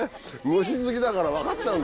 虫好きだから分かっちゃう。